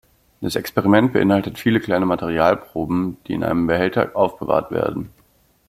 Das Experiment beinhaltet viele kleine Materialproben, die in einem Behälter aufbewahrt werden.